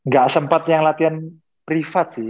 gak sempet yang latihan privat sih